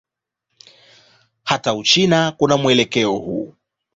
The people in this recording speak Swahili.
Hata Uchina kuna mwelekeo huu.